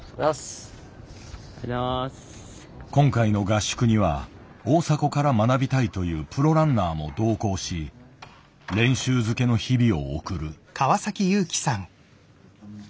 今回の合宿には大迫から学びたいというプロランナーも同行し練習漬けの日々を送る。